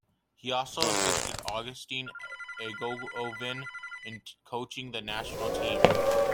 He also assisted Augustine Eguavoen in coaching the national team.